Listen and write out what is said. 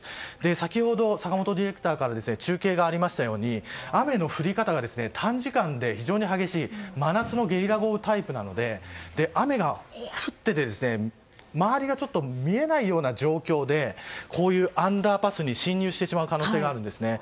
先ほど坂元ディレクターから中継がありましたように雨の降り方が短時間で非常に激しい真夏のゲリラ豪雨タイプなので雨が降って周りがちょっと見えないような状況でこういうアンダーパスに進入してしまう可能性があるんですね。